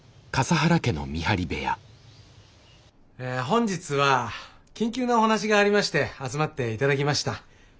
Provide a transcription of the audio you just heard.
本日は緊急なお話がありまして集まって頂きました。